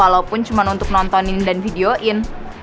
walaupun cuma untuk nontonin dan videoin